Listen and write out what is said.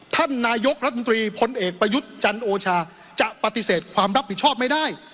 ท่านนายกรัฐมนตรีพลเอกประยุทธ์จันโอชาจะปฏิเสธความรับผิดชอบไม่ได้